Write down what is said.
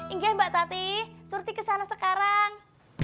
inggah mbak tati surti kesana sekarang